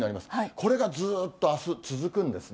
これがずーっとあす、続くんですね。